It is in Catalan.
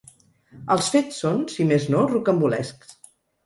Els fets són, si més no, rocambolescs.